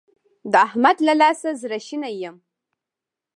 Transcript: د احمد له لاسه زړه شنی يم.